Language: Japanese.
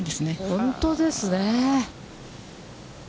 本当ですね。